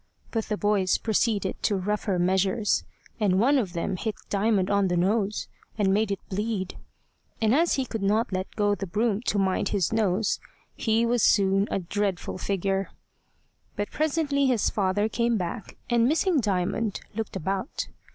But the boys proceeded to rougher measures, and one of them hit Diamond on the nose, and made it bleed; and as he could not let go the broom to mind his nose, he was soon a dreadful figure. But presently his father came back, and missing Diamond, looked about.